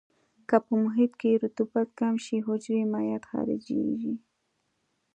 که په محیط کې رطوبت کم شي حجرې مایعات خارجيږي.